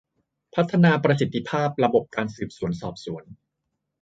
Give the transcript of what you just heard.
พัฒนาประสิทธิภาพระบบการสืบสวนสอบสวน